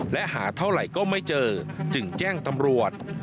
และหาเท่าไหร่ก็ไม่เจอจึงแจ้งตำรวจ